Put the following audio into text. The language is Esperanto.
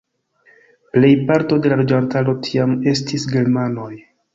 Plejparto de la loĝantaro tiam estis germanoj.